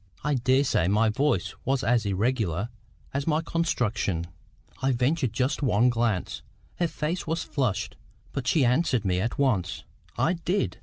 I daresay my voice was as irregular as my construction. I ventured just one glance. Her face was flushed. But she answered me at once. "I did."